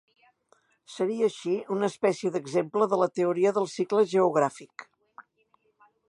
Seria així una espècie d'exemple de la teoria del cicle geogràfic.